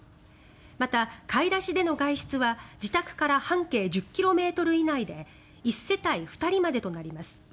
また、買い出しでの外出は自宅から半径１０ｋｍ以内で１世帯２人までとなります。